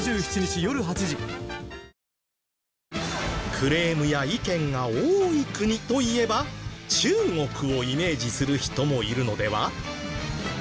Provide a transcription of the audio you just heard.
．．．クレームや意見が多い国といえば中国をイメージする人もいるのでは？